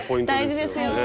大事ですよ。